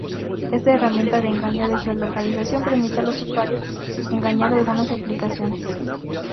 Esta herramienta de engaño de geolocalización permite a los usuarios engañar algunas aplicaciones.